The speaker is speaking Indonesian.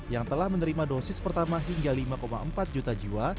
yang telah menerima dosis pertama hingga lima empat juta jiwa